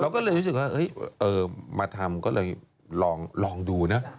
ก็เลยรู้สึกว่ามาทำก็เลยลองดูนะ